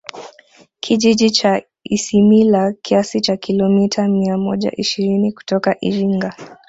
Kijiji cha Isimila kiasi cha Kilomita mia moja ishirini kutoka Iringa